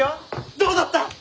どうだった？